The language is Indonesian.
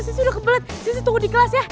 sisi udah kebelet sisi tunggu di kelas ya